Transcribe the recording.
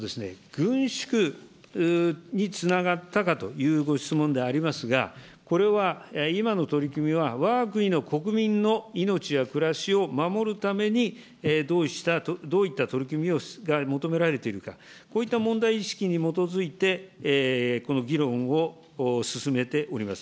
軍縮につながったかというご質問でありますが、これは、今の取り組みは、わが国の国民の命や暮らしを守るために、どういった取り組みが求められているか、こういった問題意識に基づいて、この議論を進めております。